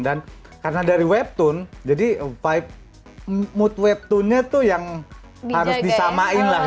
dan karena dari webtoon jadi mood webtoonnya tuh yang harus disamain lah